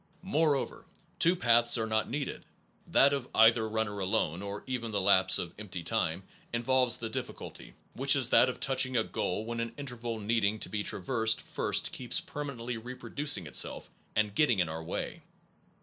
Moreover, two paths are not needed that of either runner alone, or even the lapse of empty time, involves the difficulty, which is that of touching a goal when an interval needing to be traversed first keeps permanently reproducing itself and get ting in your way.